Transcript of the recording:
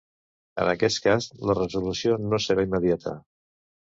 En aquest cas, la resolució no serà immediata.